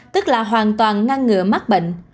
tức là hoàn toàn ngăn ngừa mắc bệnh